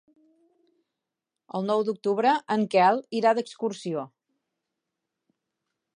El nou d'octubre en Quel irà d'excursió.